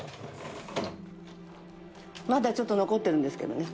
まだちょっと残ってるんですけどね